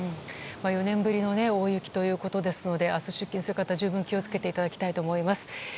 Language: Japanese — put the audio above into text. ４年ぶりの大雪ということですので明日、出勤される方は十分気を付けていただきたいと思います。